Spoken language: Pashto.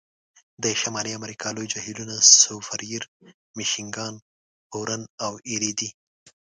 د شمالي امریکا لوی جهیلونه سوپریر، میشیګان، هورن او ایري دي.